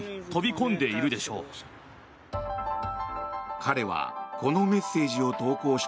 彼はこのメッセージを投稿した